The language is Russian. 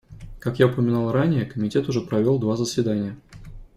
Как я упоминал ранее, Комитет уже провел два заседания.